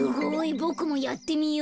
ボクもやってみよう。